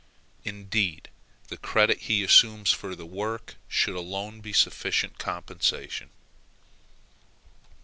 Indeed the credit he assumes for the work should alone be sufficient compensation.